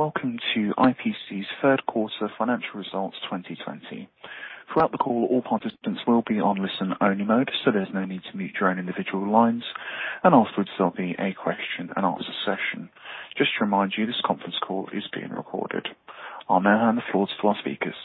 Welcome to IPC's Third Quarter Financial Results 2020. Throughout the call, all participants will be on listen-only mode, so there's no need to mute your own individual lines, and afterwards, there'll be a question and answer session. Just to remind you, this conference call is being recorded. I'll now hand the floor to our speakers.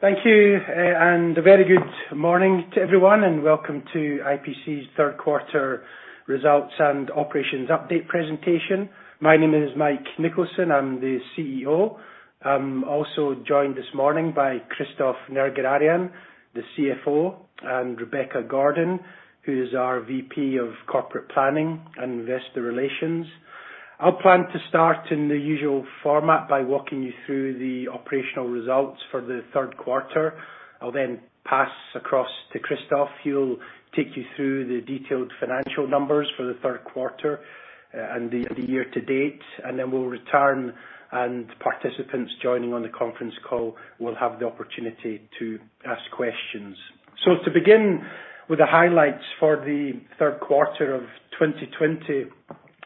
Thank you, and a very good morning to everyone, and welcome to IPC's Third Quarter Results and Operations Update Presentation. My name is Mike Nicholson. I'm the CEO. I'm also joined this morning by Christophe Nerguararian, the CFO, and Rebecca Gordon, who is our VP of Corporate Planning and Investor Relations. I'll plan to start in the usual format by walking you through the operational results for the third quarter. I'll then pass across to Christophe. He'll take you through the detailed financial numbers for the third quarter and the year to date, and then we'll return, and participants joining on the conference call will have the opportunity to ask questions, so to begin with the highlights for the third quarter of 2020,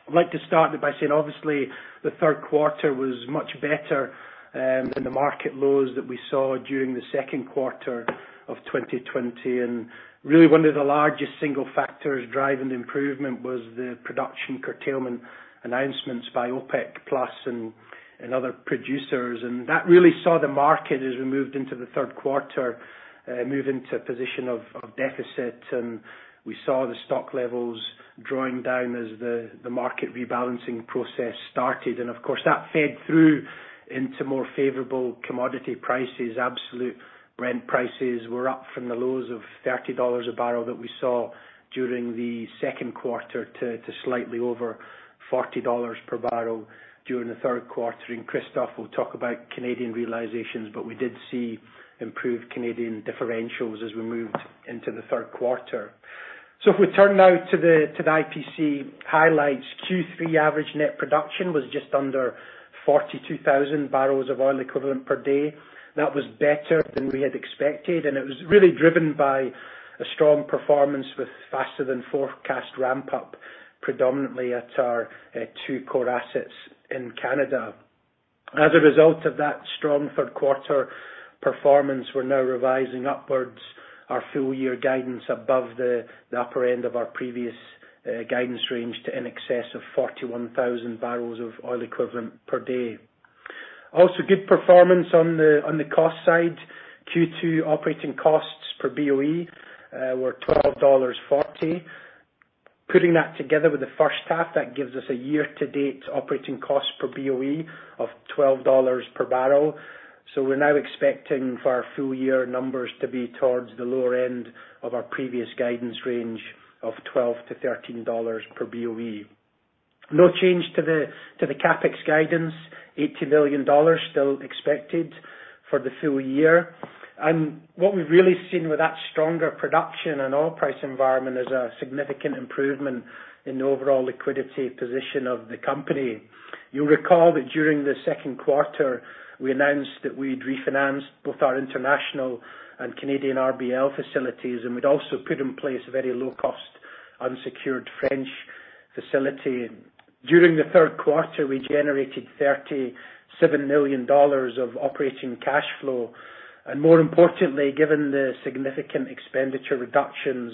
I'd like to start by saying, obviously, the third quarter was much better than the market lows that we saw during the second quarter of 2020. Really, one of the largest single factors driving the improvement was the production curtailment announcements by OPEC+ and other producers. That really saw the market, as we moved into the third quarter, move into a position of deficit. We saw the stock levels drawing down as the market rebalancing process started. Of course, that fed through into more favorable commodity prices. Brent prices were up from the lows of $30 a barrel that we saw during the second quarter to slightly over $40 per barrel during the third quarter. Christophe will talk about Canadian realizations, but we did see improved Canadian differentials as we moved into the third quarter. If we turn now to the IPC highlights, Q3 average net production was just under 42,000 barrels of oil equivalent per day. That was better than we had expected. It was really driven by a strong performance with faster-than-forecast ramp-up, predominantly at our two core assets in Canada. As a result of that strong third quarter performance, we're now revising upwards our full-year guidance above the upper end of our previous guidance range to in excess of 41,000 barrels of oil equivalent per day. Also, good performance on the cost side. Q2 operating costs per BOE were $12.40. Putting that together with the first half, that gives us a year-to-date operating cost per BOE of $12 per barrel. So we're now expecting for our full-year numbers to be towards the lower end of our previous guidance range of $12-$13 per BOE. No change to the CapEx guidance. $80 billion still expected for the full year. What we've really seen with that stronger production and oil price environment is a significant improvement in the overall liquidity position of the company. You'll recall that during the second quarter, we announced that we'd refinanced both our international and Canadian RBL facilities, and we'd also put in place a very low-cost, unsecured French facility. During the third quarter, we generated $37 million of operating cash flow. More importantly, given the significant expenditure reductions,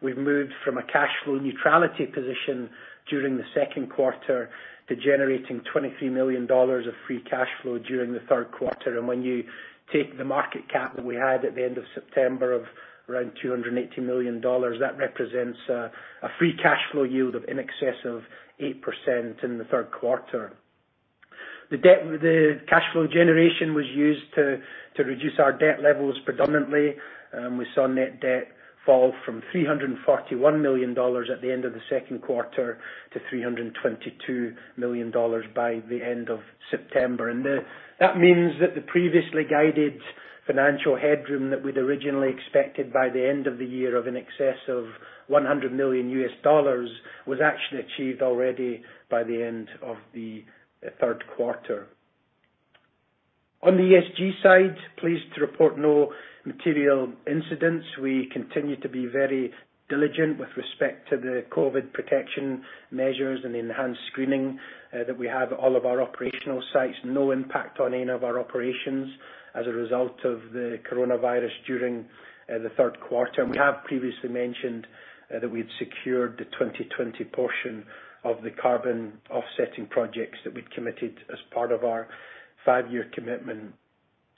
we've moved from a cash flow neutrality position during the second quarter to generating $23 million of free cash flow during the third quarter. When you take the market cap that we had at the end of September of around $280 million, that represents a free cash flow yield of in excess of 8% in the third quarter. The cash flow generation was used to reduce our debt levels predominantly. We saw net debt fall from $341 million at the end of the second quarter to $322 million by the end of September, and that means that the previously guided financial headroom that we'd originally expected by the end of the year of in excess of $100 million was actually achieved already by the end of the third quarter. On the ESG side, pleased to report no material incidents. We continue to be very diligent with respect to the COVID protection measures and the enhanced screening that we have at all of our operational sites. No impact on any of our operations as a result of the coronavirus during the third quarter, and we have previously mentioned that we'd secured the 2020 portion of the carbon offsetting projects that we'd committed as part of our five-year commitment.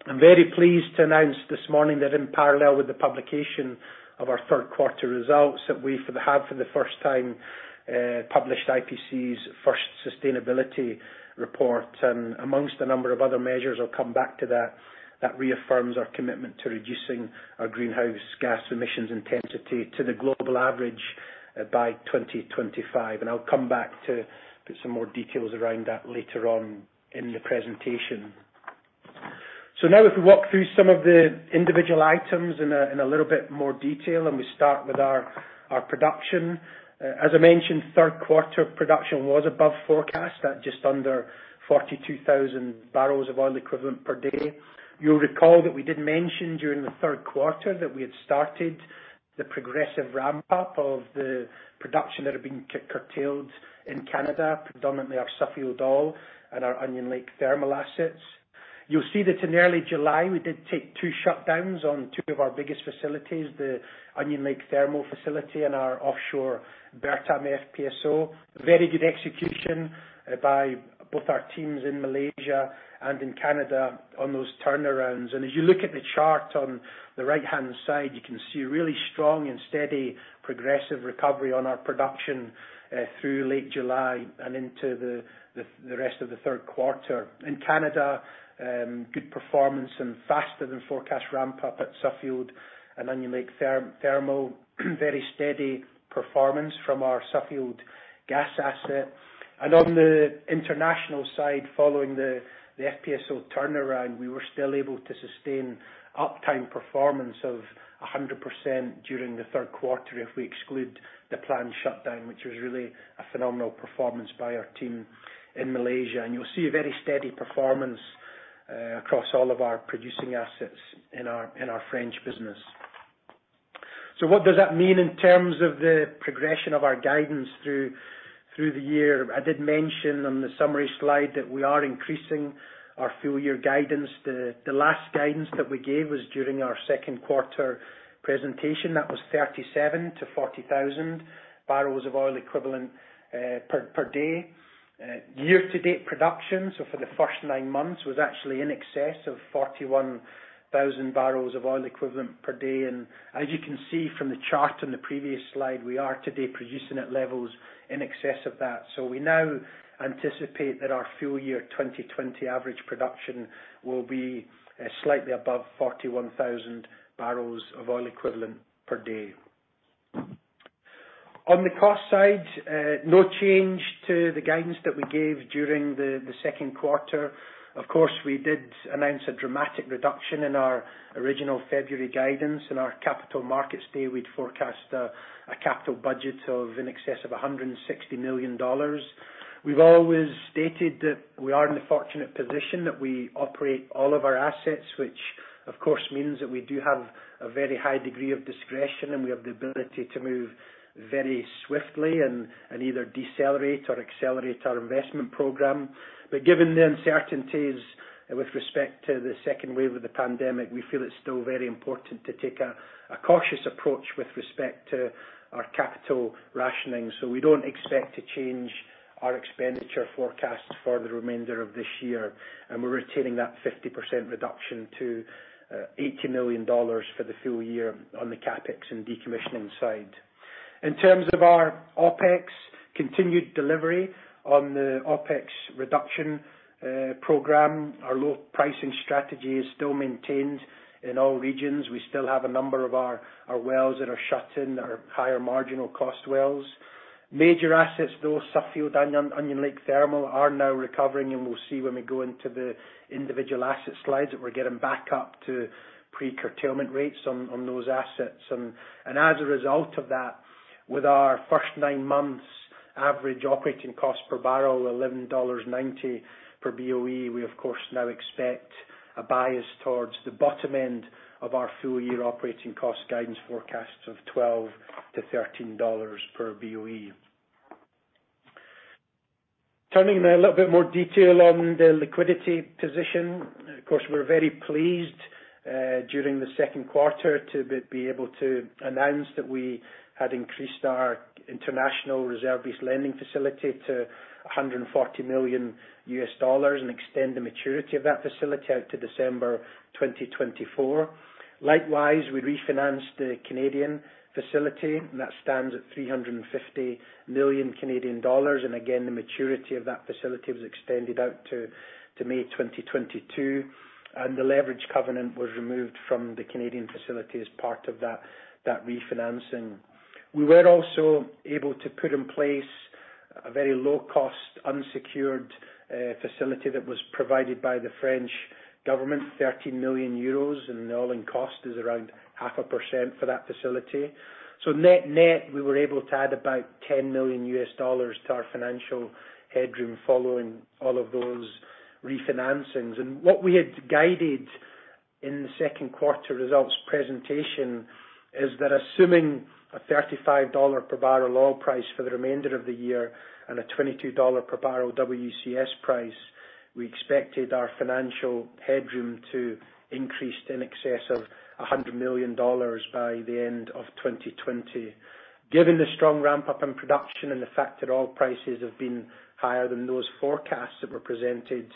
I'm very pleased to announce this morning that in parallel with the publication of our third quarter results, that we for the first time published IPC's first sustainability report and amongst a number of other measures, I'll come back to that. That reaffirms our commitment to reducing our greenhouse gas emissions intensity to the global average by 2025, and I'll come back to some more details around that later on in the presentation. So now, if we walk through some of the individual items in a little bit more detail, and we start with our production. As I mentioned, third quarter production was above forecast at just under 42,000 barrels of oil equivalent per day. You'll recall that we did mention during the third quarter that we had started the progressive ramp-up of the production that had been curtailed in Canada, predominantly our Suffield oil and our Onion Lake Thermal assets. You'll see that in early July, we did take two shutdowns on two of our biggest facilities, the Onion Lake Thermal facility and our offshore Bertam FPSO. Very good execution by both our teams in Malaysia and in Canada on those turnarounds, and as you look at the chart on the right-hand side, you can see really strong and steady progressive recovery on our production through late July and into the rest of the third quarter. In Canada, good performance and faster-than-forecast ramp-up at Suffield and Onion Lake Thermal. Very steady performance from our Suffield gas asset. On the international side, following the FPSO turnaround, we were still able to sustain uptime performance of 100% during the third quarter if we exclude the planned shutdown, which was really a phenomenal performance by our team in Malaysia. You'll see very steady performance across all of our producing assets in our French business. What does that mean in terms of the progression of our guidance through the year? I did mention on the summary slide that we are increasing our full-year guidance. The last guidance that we gave was during our second quarter presentation. That was 37-40,000 barrels of oil equivalent per day. Year-to-date production, so for the first nine months, was actually in excess of 41,000 barrels of oil equivalent per day. As you can see from the chart on the previous slide, we are today producing at levels in excess of that. We now anticipate that our full-year 2020 average production will be slightly above 41,000 barrels of oil equivalent per day. On the cost side, no change to the guidance that we gave during the second quarter. Of course, we did announce a dramatic reduction in our original February guidance. In our Capital Markets Day, we'd forecast a capital budget of in excess of $160 million. We've always stated that we are in the fortunate position that we operate all of our assets, which of course means that we do have a very high degree of discretion, and we have the ability to move very swiftly and either decelerate or accelerate our investment program. But given the uncertainties with respect to the second wave of the pandemic, we feel it's still very important to take a cautious approach with respect to our capital rationing. So we don't expect to change our expenditure forecast for the remainder of this year. And we're retaining that 50% reduction to $80 million for the full year on the CapEx and decommissioning side. In terms of our OpEx, continued delivery on the OpEx reduction program. Our low pricing strategy is still maintained in all regions. We still have a number of our wells that are shut in that are higher marginal cost wells. Major assets, though, Suffield and Onion Lake Thermal, are now recovering, and we'll see when we go into the individual asset slides that we're getting back up to pre-curtailment rates on those assets. As a result of that, with our first nine months' average operating cost per barrel, $11.90 per BOE, we of course now expect a bias towards the bottom end of our full-year operating cost guidance forecast of $12-$13 per BOE. Turning now a little bit more detail on the liquidity position. Of course, we were very pleased during the second quarter to be able to announce that we had increased our international reserve-based lending facility to $140 million and extend the maturity of that facility out to December 2024. Likewise, we refinanced the Canadian facility, and that stands at CAD $350 million. And again, the maturity of that facility was extended out to May 2022. And the leverage covenant was removed from the Canadian facility as part of that refinancing. We were also able to put in place a very low-cost, unsecured facility that was provided by the French government, 13 million euros, and the all-in cost is around 0.5% for that facility, so net net, we were able to add about $10 million to our financial headroom following all of those refinancings, and what we had guided in the second quarter results presentation is that assuming a $35 per barrel oil price for the remainder of the year and a $22 per barrel WCS price, we expected our financial headroom to increase in excess of $100 million by the end of 2020. Given the strong ramp-up in production and the fact that oil prices have been higher than those forecasts that were presented,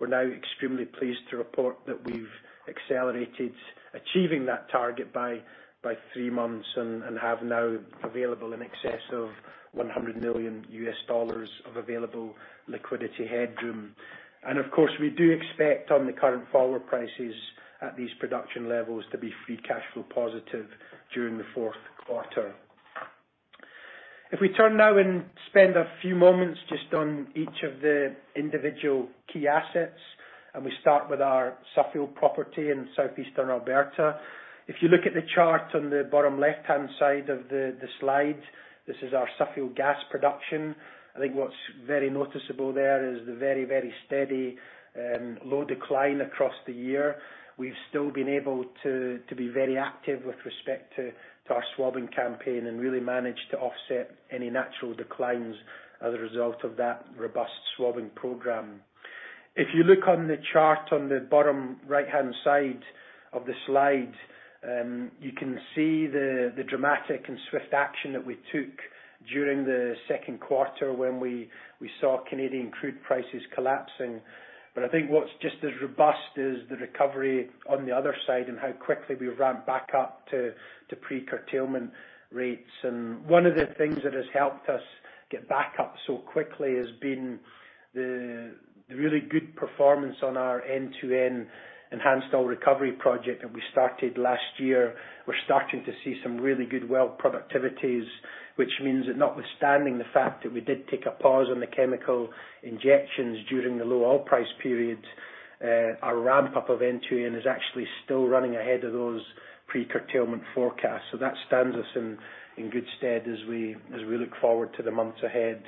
we're now extremely pleased to report that we've accelerated achieving that target by three months and have now available in excess of $100 million of available liquidity headroom, and of course, we do expect on the current forward prices at these production levels to be free cash flow positive during the fourth quarter. If we turn now and spend a few moments just on each of the individual key assets, and we start with our Suffield property in southeastern Alberta. If you look at the chart on the bottom left-hand side of the slide, this is our Suffield gas production. I think what's very noticeable there is the very, very steady low decline across the year. We've still been able to be very active with respect to our swabbing campaign and really managed to offset any natural declines as a result of that robust swabbing program. If you look on the chart on the bottom right-hand side of the slide, you can see the dramatic and swift action that we took during the second quarter when we saw Canadian crude prices collapsing. But I think what's just as robust is the recovery on the other side and how quickly we've ramped back up to pre-curtailment rates, and one of the things that has helped us get back up so quickly has been the really good performance on our N2N enhanced oil recovery project that we started last year. We're starting to see some really good well productivities, which means that notwithstanding the fact that we did take a pause on the chemical injections during the low oil price period, our ramp-up of N2N is actually still running ahead of those pre-curtailment forecasts. So that stands us in good stead as we look forward to the months ahead.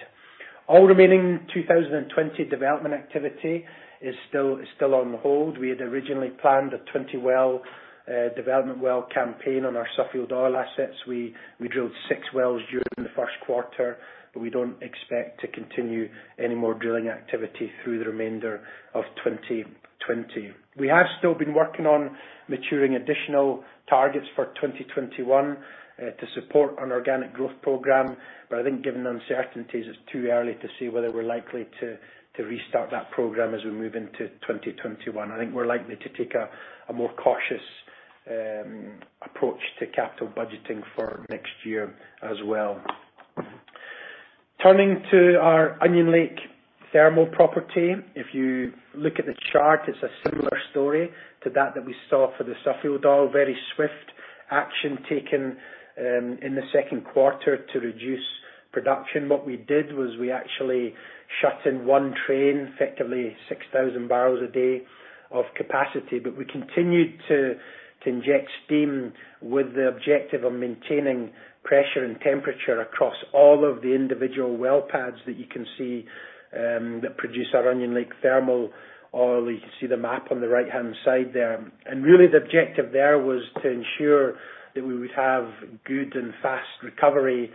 All remaining 2020 development activity is still on hold. We had originally planned a 20 well development well campaign on our Suffield oil assets. We drilled six wells during the first quarter, but we don't expect to continue any more drilling activity through the remainder of 2020. We have still been working on maturing additional targets for 2021 to support an organic growth program. But I think given the uncertainties, it's too early to see whether we're likely to restart that program as we move into 2021. I think we're likely to take a more cautious approach to capital budgeting for next year as well. Turning to our Onion Lake Thermal property, if you look at the chart, it's a similar story to that we saw for the Suffield oil. Very swift action taken in the second quarter to reduce production. What we did was we actually shut in one train, effectively 6,000 barrels a day of capacity. But we continued to inject steam with the objective of maintaining pressure and temperature across all of the individual well pads that you can see that produce our Onion Lake Thermal oil. You can see the map on the right-hand side there, and really, the objective there was to ensure that we would have good and fast recovery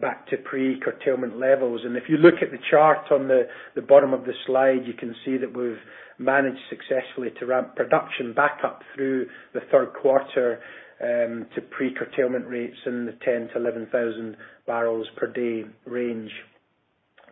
back to pre-curtailment levels. If you look at the chart on the bottom of the slide, you can see that we've managed successfully to ramp production back up through the third quarter to pre-curtailment rates in the 10,000-11,000 barrels per day range.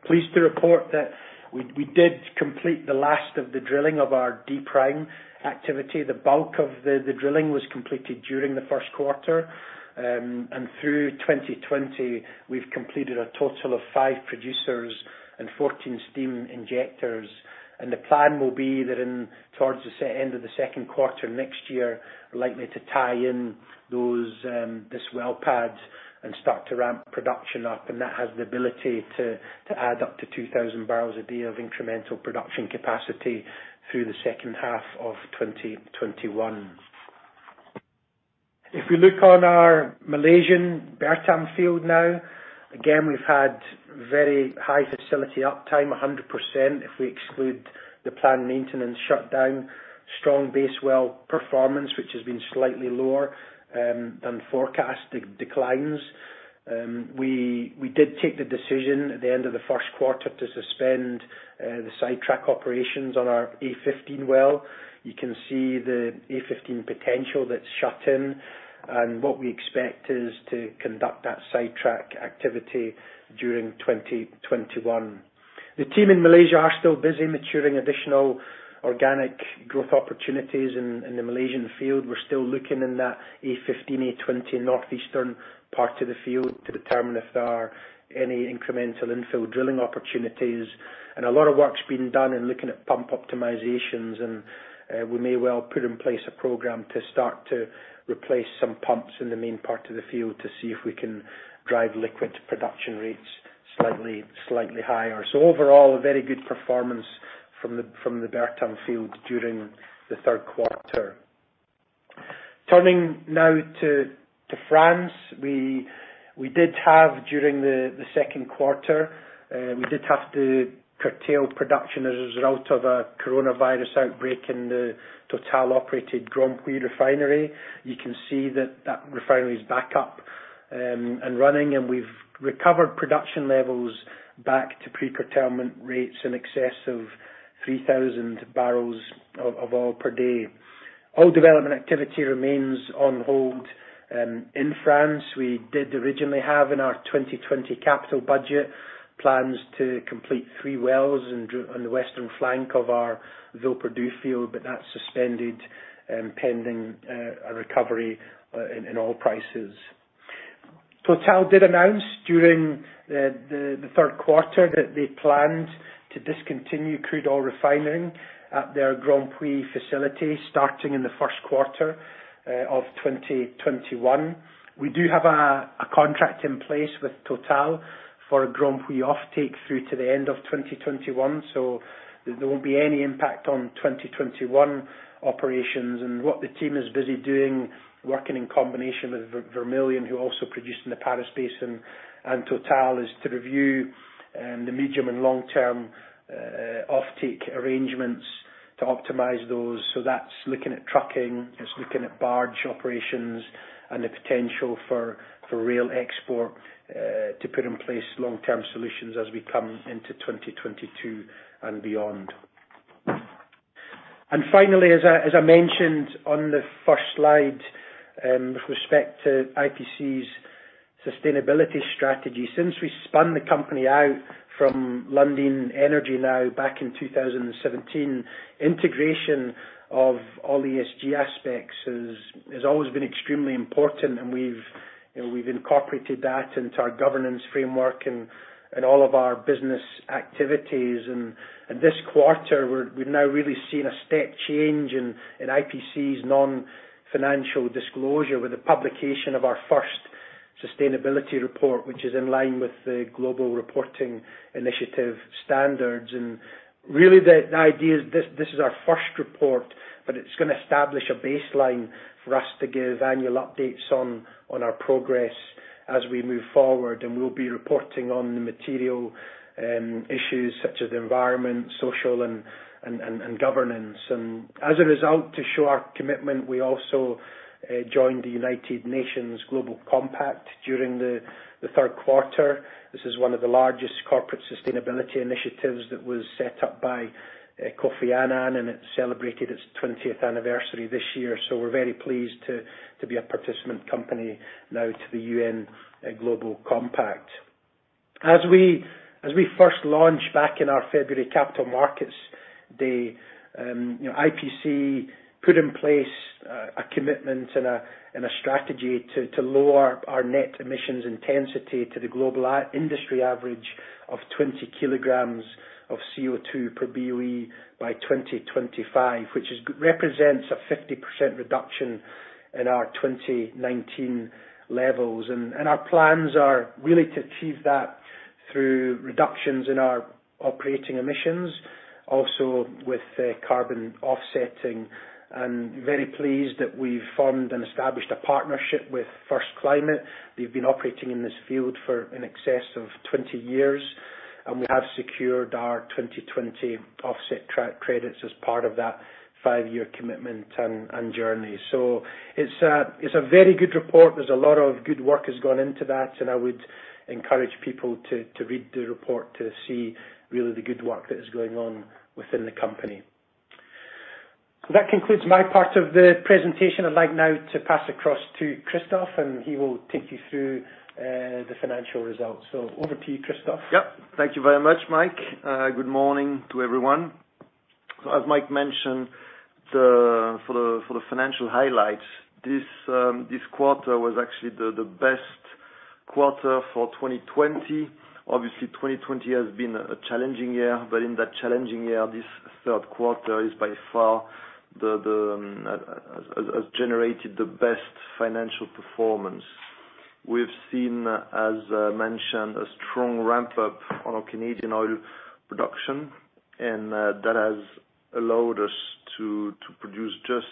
Pleased to report that we did complete the last of the drilling of our D Pad or D-Prime activity. The bulk of the drilling was completed during the first quarter. And through 2020, we've completed a total of five producers and 14 steam injectors. And the plan will be that towards the end of the second quarter next year, we're likely to tie in this well pad and start to ramp production up. And that has the ability to add up to 2,000 barrels a day of incremental production capacity through the second half of 2021. If we look on our Malaysian Bertam Field now, again, we've had very high facility uptime, 100% if we exclude the planned maintenance shutdown. Strong base well performance, which has been slightly lower than forecast declines. We did take the decision at the end of the first quarter to suspend the sidetrack operations on our A15 well. You can see the A15 potential that's shut in. And what we expect is to conduct that sidetrack activity during 2021. The team in Malaysia are still busy maturing additional organic growth opportunities in the Malaysian field. We're still looking in that A15, A20, northeastern part of the field to determine if there are any incremental infill drilling opportunities. And a lot of work's been done in looking at pump optimizations. We may well put in place a program to start to replace some pumps in the main part of the field to see if we can drive liquid production rates slightly higher. Overall, a very good performance from the Bertam Field during the third quarter. Turning now to France, we did have during the second quarter to curtail production as a result of a coronavirus outbreak in the Total-operated Grandpuits refinery. You can see that that refinery is back up and running. We've recovered production levels back to pre-curtailment rates in excess of 3,000 barrels of oil per day. All development activity remains on hold in France. We did originally have in our 2020 capital budget plans to complete three wells on the western flank of our Villeperdue field, but that's suspended pending a recovery in oil prices. Total did announce during the third quarter that they planned to discontinue crude oil refinery at their Grandpuits facility starting in the first quarter of 2021. We do have a contract in place with Total for a Grandpuits offtake through to the end of 2021. So there won't be any impact on 2021 operations. And what the team is busy doing, working in combination with Vermilion, who also produces in the Paris Basin, and Total is to review the medium and long-term offtake arrangements to optimize those. So that's looking at trucking. It's looking at barge operations and the potential for rail export to put in place long-term solutions as we come into 2022 and beyond. And finally, as I mentioned on the first slide with respect to IPC's sustainability strategy, since we spun the company out from Lundin Energy now back in 2017, integration of all ESG aspects has always been extremely important. And we've incorporated that into our governance framework and all of our business activities. And this quarter, we've now really seen a step change in IPC's non-financial disclosure with the publication of our first sustainability report, which is in line with the Global Reporting Initiative standards. And really, the idea is this is our first report, but it's going to establish a baseline for us to give annual updates on our progress as we move forward. And we'll be reporting on the material issues such as the environment, social, and governance. And as a result, to show our commitment, we also joined the United Nations Global Compact during the third quarter. This is one of the largest corporate sustainability initiatives that was set up by Kofi Annan, and it celebrated its 20th anniversary this year, so we're very pleased to be a participant company now to the UN Global Compact. As we first launched back in our February Capital Markets Day, IPC put in place a commitment and a strategy to lower our net emissions intensity to the global industry average of 20 kg of CO2 per BOE by 2025, which represents a 50% reduction in our 2019 levels, and our plans are really to achieve that through reductions in our operating emissions, also with carbon offsetting, and very pleased that we've formed and established a partnership with First Climate. They've been operating in this field for in excess of 20 years, and we have secured our 2020 offset credits as part of that five-year commitment and journey. So it's a very good report. There's a lot of good work has gone into that. And I would encourage people to read the report to see really the good work that is going on within the company. That concludes my part of the presentation. I'd like now to pass across to Christophe, and he will take you through the financial results. So over to you, Christophe. Yep. Thank you very much, Mike. Good morning to everyone. So as Mike mentioned, for the financial highlights, this quarter was actually the best quarter for 2020. Obviously, 2020 has been a challenging year. But in that challenging year, this third quarter is by far has generated the best financial performance. We've seen, as mentioned, a strong ramp-up on our Canadian oil production. That has allowed us to produce just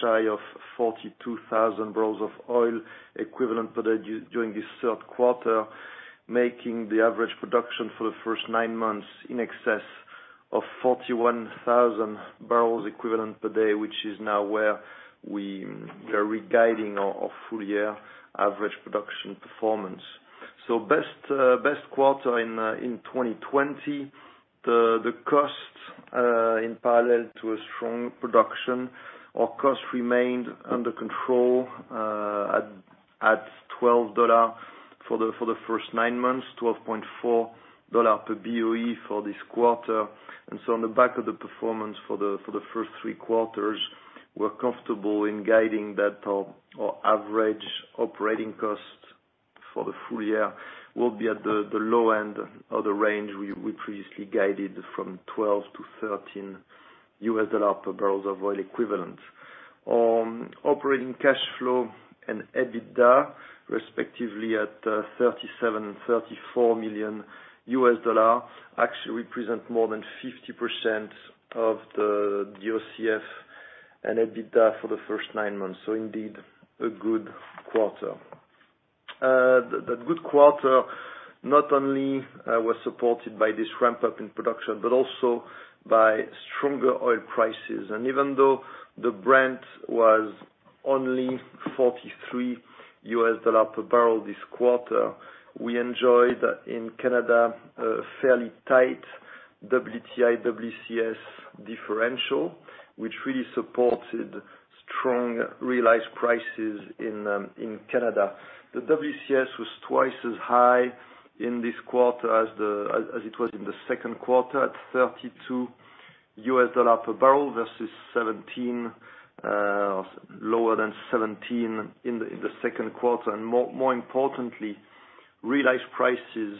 shy of 42,000 barrels of oil equivalent per day during this third quarter, making the average production for the first nine months in excess of 41,000 barrels equivalent per day, which is now where we are regarding our full-year average production performance. Best quarter in 2020. In parallel to a strong production, our cost remained under control at $12 for the first nine months, $12.4 per BOE for this quarter. On the back of the performance for the first three quarters, we're comfortable in guiding that our average operating cost for the full year will be at the low end of the range we previously guided from $12-$13 per barrel of oil equivalent. Operating cash flow and EBITDA, respectively, at $37 million and $34 million, actually represent more than 50% of the OCF and EBITDA for the first nine months. So indeed, a good quarter. That good quarter not only was supported by this ramp-up in production but also by stronger oil prices. And even though the Brent was only $43 per barrel this quarter, we enjoyed in Canada a fairly tight WTI/WCS differential, which really supported strong realized prices in Canada. The WCS was twice as high in this quarter as it was in the second quarter at $32 per barrel versus lower than $17 in the second quarter. And more importantly, realized prices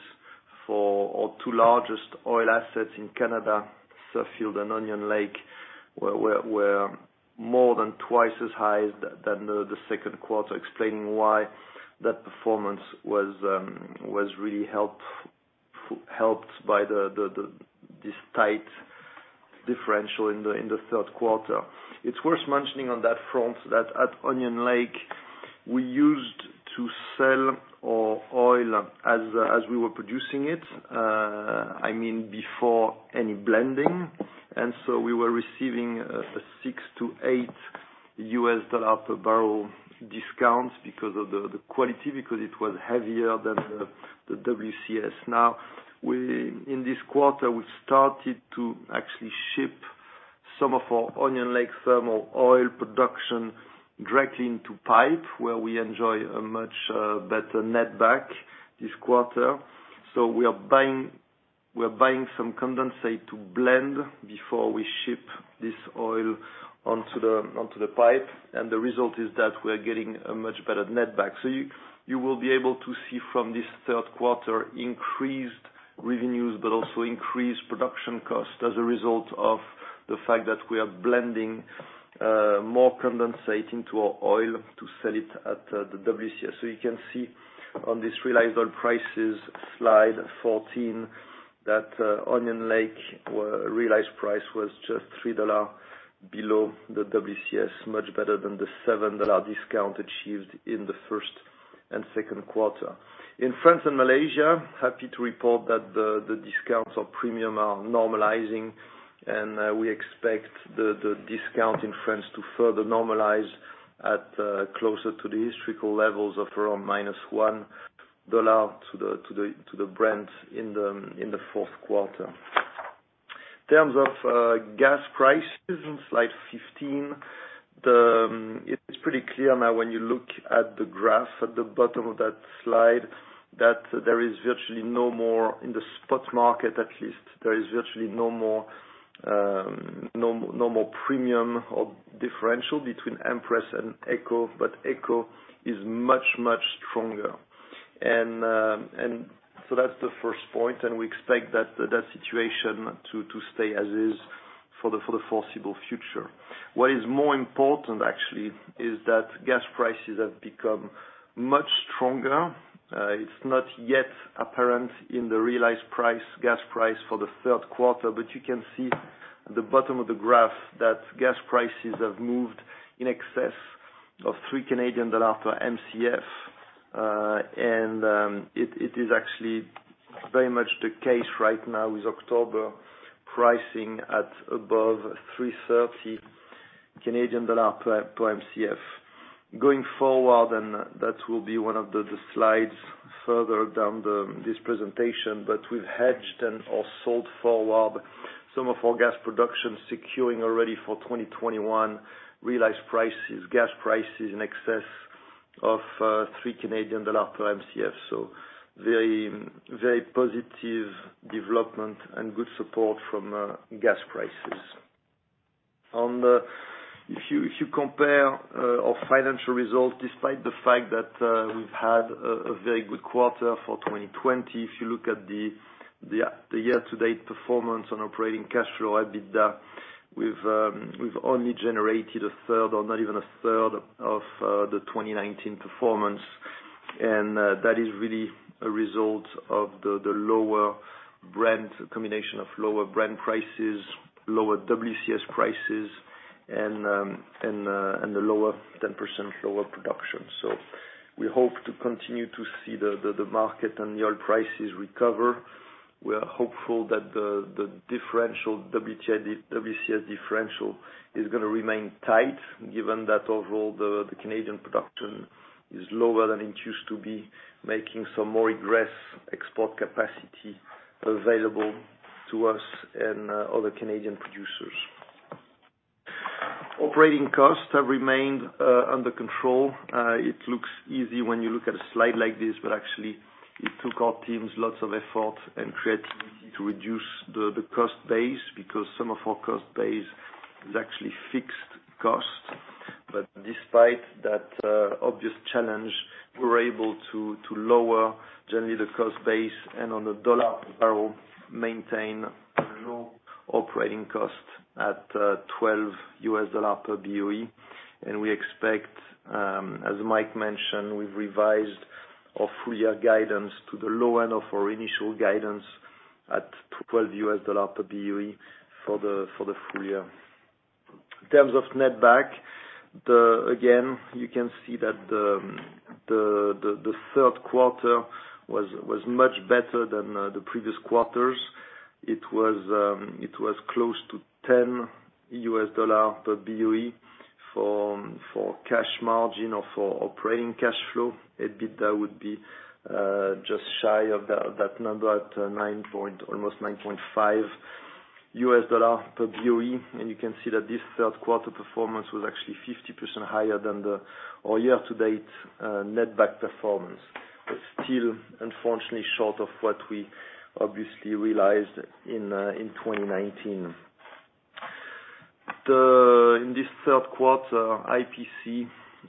for our two largest oil assets in Canada, Suffield and Onion Lake, were more than twice as high as the second quarter, explaining why that performance was really helped by this tight differential in the third quarter. It's worth mentioning on that front that at Onion Lake, we used to sell our oil as we were producing it, I mean, before any blending. And so we were receiving a $6-$8 per barrel discount because of the quality, because it was heavier than the WCS. Now, in this quarter, we've started to actually ship some of our Onion Lake Thermal oil production directly into pipe, where we enjoy a much better netback this quarter. So we're buying some condensate to blend before we ship this oil onto the pipe. And the result is that we're getting a much better netback. You will be able to see from this third quarter increased revenues but also increased production costs as a result of the fact that we are blending more condensate into our oil to sell it at the WCS. You can see on this realized oil prices slide 14 that Onion Lake realized price was just $3 below the WCS, much better than the $7 discount achieved in the first and second quarter. In France and Malaysia, happy to report that the discounts or premiums are normalizing. We expect the discount in France to further normalize at closer to the historical levels of around minus $1 to the Brent in the fourth quarter. In terms of gas prices on slide 15, it's pretty clear now when you look at the graph at the bottom of that slide that there is virtually no more in the spot market, at least, there is virtually no more premium or differential between Empress and AECO, but AECO is much, much stronger, and so that's the first point, and we expect that situation to stay as is for the foreseeable future. What is more important, actually, is that gas prices have become much stronger. It's not yet apparent in the realized gas price for the third quarter, but you can see at the bottom of the graph that gas prices have moved in excess of 3 Canadian dollars per MCF, and it is actually very much the case right now with October pricing at above 3.30 Canadian dollar per MCF. Going forward, and that will be one of the slides further down this presentation, but we've hedged and also sold forward some of our gas production, securing already for 2021 realized gas prices in excess of 3 Canadian dollar per MCF. So very positive development and good support from gas prices. If you compare our financial results, despite the fact that we've had a very good quarter for 2020, if you look at the year-to-date performance on operating cash flow, EBITDA, we've only generated a third or not even a third of the 2019 performance. And that is really a result of the lower Brent, a combination of lower Brent prices, lower WCS prices, and the lower 10% lower production. So we hope to continue to see the market and the oil prices recover. We're hopeful that the WTI/WCS differential is going to remain tight given that overall the Canadian production is lower than it used to be, making some more increased export capacity available to us and other Canadian producers. Operating costs have remained under control. It looks easy when you look at a slide like this, but actually, it took our teams lots of effort and creativity to reduce the cost base because some of our cost base is actually fixed cost, but despite that obvious challenge, we were able to lower generally the cost base and on the dollar per barrel maintain low operating cost at $12 per BOE, and we expect, as Mike mentioned, we've revised our full-year guidance to the low end of our initial guidance at $12 per BOE for the full year. In terms of netback, again, you can see that the third quarter was much better than the previous quarters. It was close to $10 per BOE for cash margin or for operating cash flow. EBITDA would be just shy of that number at almost $9.5 per BOE. And you can see that this third quarter performance was actually 50% higher than our year-to-date netback performance. It's still, unfortunately, short of what we obviously realized in 2019. In this third quarter, IPC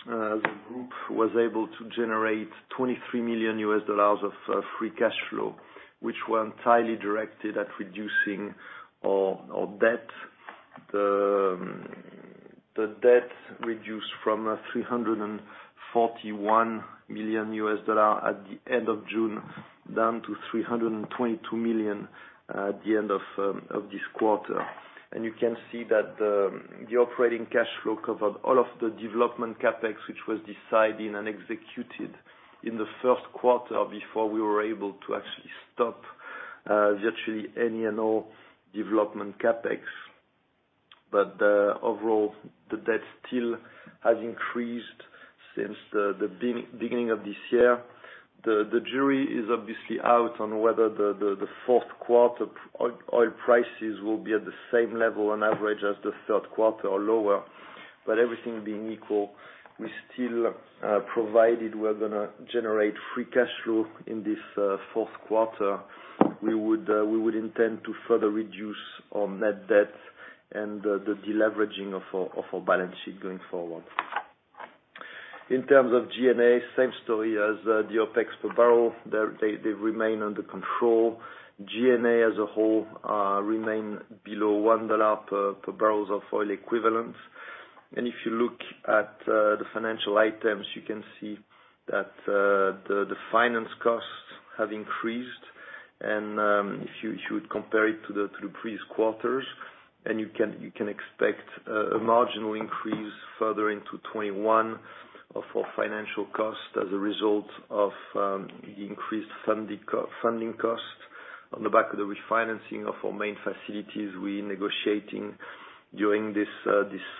as a group was able to generate $23 million of free cash flow, which were entirely directed at reducing our debt. The debt reduced from $341 million at the end of June down to $322 million at the end of this quarter. You can see that the operating cash flow covered all of the development CapEx, which was decided and executed in the first quarter before we were able to actually stop virtually any and all development CapEx. Overall, the debt still has increased since the beginning of this year. The jury is obviously out on whether the fourth quarter oil prices will be at the same level on average as the third quarter or lower. Everything being equal, we still project we're going to generate free cash flow in this fourth quarter. We would intend to further reduce our net debt and the deleveraging of our balance sheet going forward. In terms of G&A, same story as the OpEx per barrel. They remain under control. G&A as a whole remains below $1 per barrel of oil equivalent. If you look at the financial items, you can see that the finance costs have increased. If you would compare it to the previous quarters, you can expect a marginal increase further into 2021 of our financial costs as a result of the increased funding costs on the back of the refinancing of our main facilities we're negotiating during this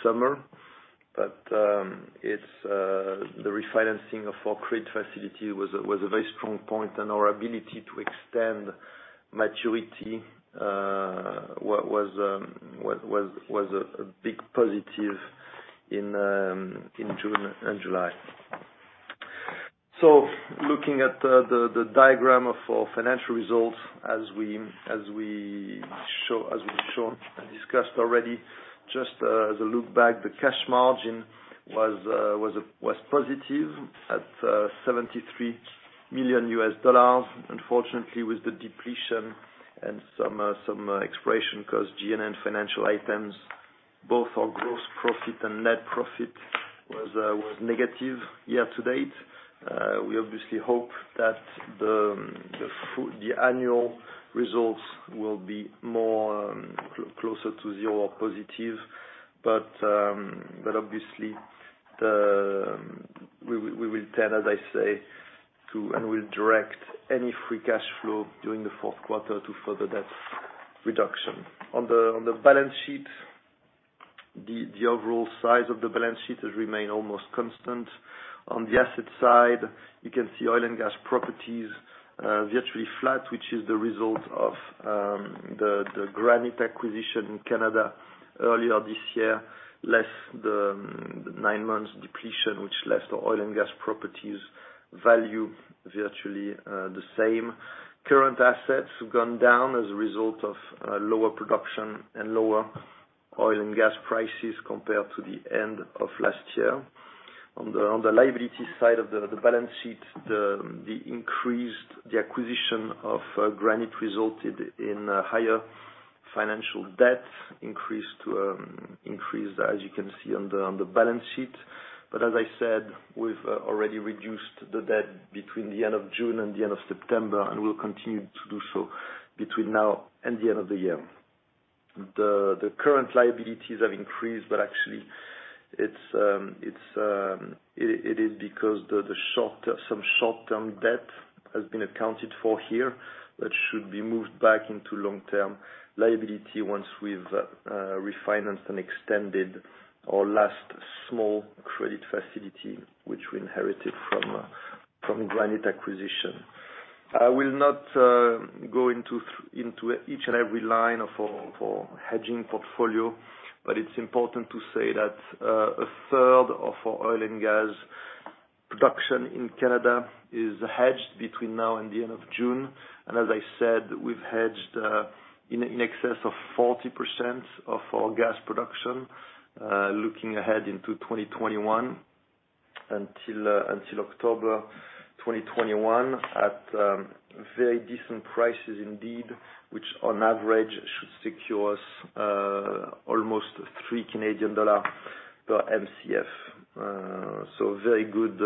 summer. The refinancing of our credit facility was a very strong point. Our ability to extend maturity was a big positive in June and July. Looking at the diagram of our financial results as we showed and discussed already, just as a look back, the cash margin was positive at $73 million. Unfortunately, with the depletion and some expression because G&A financial items, both our gross profit and net profit was negative year-to-date. We obviously hope that the annual results will be more closer to zero or positive. But obviously, we will tend, as I say, and we'll direct any free cash flow during the fourth quarter to further that reduction. On the balance sheet, the overall size of the balance sheet has remained almost constant. On the asset side, you can see oil and gas properties virtually flat, which is the result of the Granite acquisition in Canada earlier this year, less the nine months depletion, which left oil and gas properties' value virtually the same. Current assets have gone down as a result of lower production and lower oil and gas prices compared to the end of last year. On the liability side of the balance sheet, the acquisition of Granite resulted in higher financial debt increase, as you can see on the balance sheet. But as I said, we've already reduced the debt between the end of June and the end of September, and we'll continue to do so between now and the end of the year. The current liabilities have increased, but actually, it is because some short-term debt has been accounted for here that should be moved back into long-term liability once we've refinanced and extended our last small credit facility, which we inherited from Granite acquisition. I will not go into each and every line of our hedging portfolio, but it's important to say that a third of our oil and gas production in Canada is hedged between now and the end of June. And as I said, we've hedged in excess of 40% of our gas production looking ahead into 2021 until October 2021 at very decent prices indeed, which on average should secure us almost 3 Canadian dollars per MCF. So very good,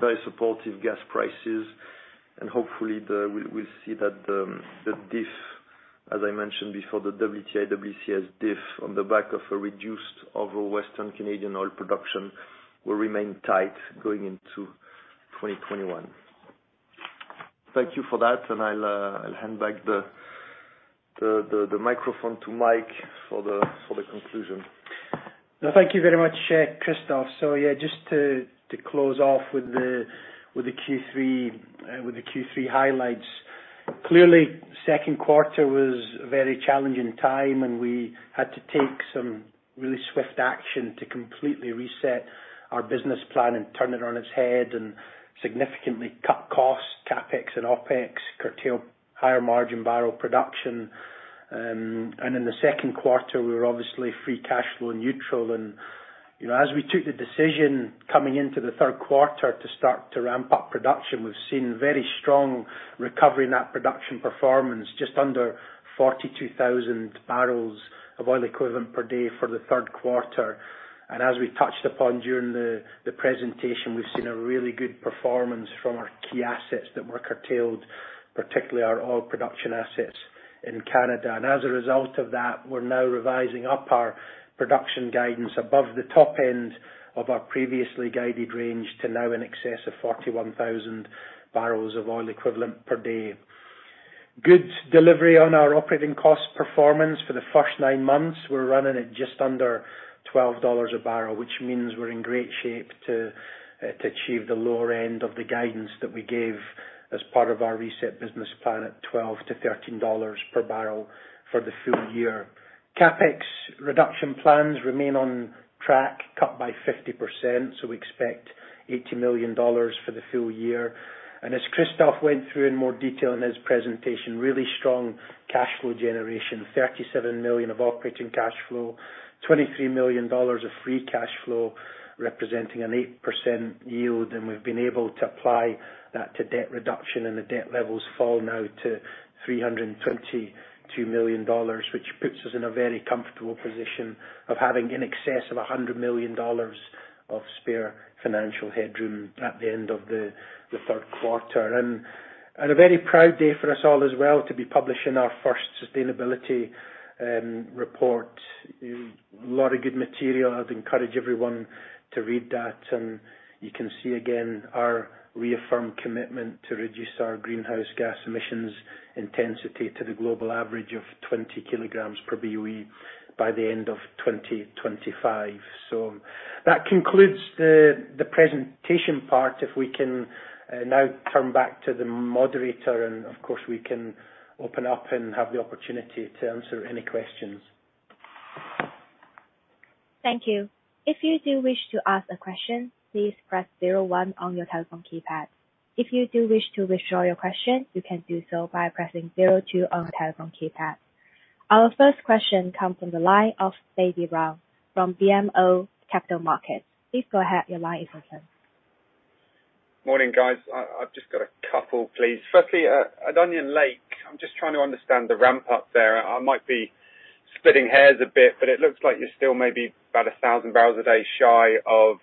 very supportive gas prices. And hopefully, we'll see that the Diff, as I mentioned before, the WTI/WCS Diff on the back of a reduced overall Western Canadian oil production will remain tight going into 2021. Thank you for that. And I'll hand back the microphone to Mike for the conclusion. Thank you very much, Christophe. So yeah, just to close off with the Q3 highlights. Clearly, second quarter was a very challenging time, and we had to take some really swift action to completely reset our business plan and turn it on its head and significantly cut costs, CapEx and OPEX, curtail higher margin barrel production. In the second quarter, we were obviously free cash flow neutral. As we took the decision coming into the third quarter to start to ramp up production, we've seen very strong recovery in that production performance, just under 42,000 barrels of oil equivalent per day for the third quarter. As we touched upon during the presentation, we've seen a really good performance from our key assets that were curtailed, particularly our oil production assets in Canada. As a result of that, we're now revising up our production guidance above the top end of our previously guided range to now in excess of 41,000 barrels of oil equivalent per day. Good delivery on our operating cost performance for the first nine months. We're running at just under $12 a barrel, which means we're in great shape to achieve the lower end of the guidance that we gave as part of our reset business plan at $12-$13 per barrel for the full year. CapEx reduction plans remain on track, cut by 50%, so we expect $80 million for the full year, and as Christophe went through in more detail in his presentation, really strong cash flow generation, $37 million of operating cash flow, $23 million of free cash flow representing an 8% yield, and we've been able to apply that to debt reduction, and the debt levels fall now to $322 million, which puts us in a very comfortable position of having in excess of $100 million of spare financial headroom at the end of the third quarter. And a very proud day for us all as well to be publishing our first sustainability report. A lot of good material. I'd encourage everyone to read that. And you can see again our reaffirmed commitment to reduce our greenhouse gas emissions intensity to the global average of 20 kg per BOE by the end of 2025. So that concludes the presentation part. If we can now turn back to the moderator, and of course, we can open up and have the opportunity to answer any questions. Thank you. If you do wish to ask a question, please press zero one on your telephone keypad. If you do wish to withdraw your question, you can do so by pressing zero one on the telephone keypad. Our first question comes from the line of David Round from BMO Capital Markets. Please go ahead. Your line is open. Morning, guys. I've just got a couple pleas. Firstly, at Onion Lake, I'm just trying to understand the ramp-up there. I might be splitting hairs a bit, but it looks like you're still maybe about 1,000 barrels a day shy of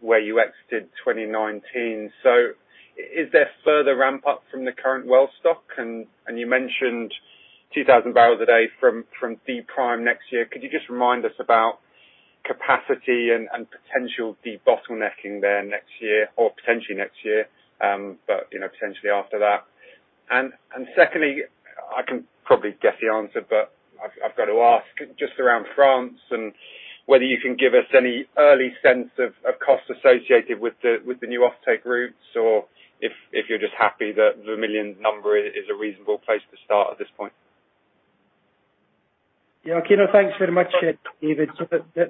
where you exited 2019. So is there further ramp-up from the current well stock? And you mentioned 2,000 barrels a day from D-Prime next year. Could you just remind us about capacity and potential de-bottlenecking there next year or potentially next year, but potentially after that? And secondly, I can probably guess the answer, but I've got to ask just around France and whether you can give us any early sense of costs associated with the new offtake routes or if you're just happy that the million number is a reasonable place to start at this point. Yeah. Thanks very much, David.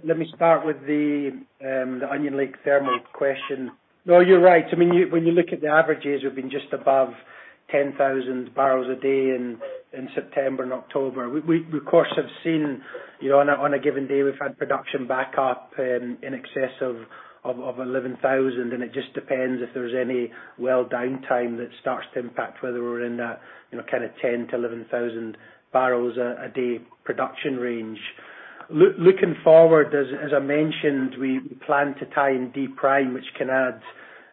Let me start with the Onion Lake Thermal question. No, you're right. I mean, when you look at the averages, we've been just above 10,000 barrels a day in September and October. We, of course, have seen on a given day, we've had production back up in excess of 11,000. And it just depends if there's any well downtime that starts to impact whether we're in that kind of 10,000-11,000 barrels a day production range. Looking forward, as I mentioned, we plan to tie in D-Prime, which can add